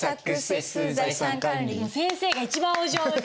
先生が一番お上手。